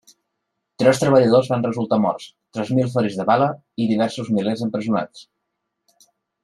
Tres treballadors van resultar morts, tres mil ferits de bala, i diversos milers empresonats.